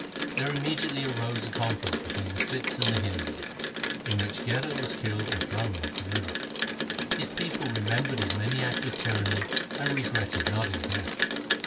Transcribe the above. There immediately arose a conflict between the Sikhs and the Hindus, in which Gherar was killed and thrown into the river. His people remembered his many acts of tyranny and regretted not his death.